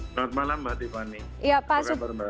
selamat malam mbak tiffany